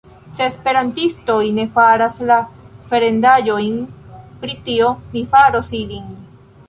Se Esperantistoj ne faras la farendaĵojn pri tio, mi faros ilin.